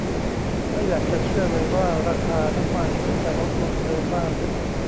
ไม่อยากจะเชื่อเลยว่าราคาน้ำมันจะลดลงเร็วมาก